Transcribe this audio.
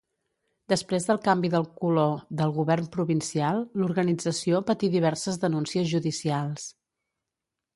Després del canvi del color del govern provincial, l'organització patí diverses denúncies judicials.